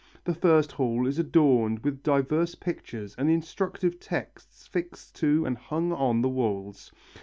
The first hall is adorned with diverse pictures and instructive texts fixed to and hung on the walls.